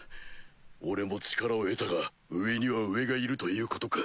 俺も力を得たが上には上がいるということか。